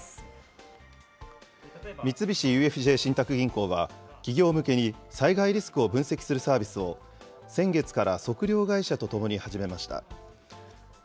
金融機関が防災対策の支援に力で三菱ＵＦＪ信託銀行は、企業向けに、災害リスクを分析するサービスを先月から測量会社とともに始めました。